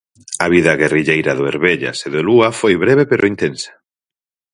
A vida guerrilleira do Herbellas e do Lúa foi breve pero intensa.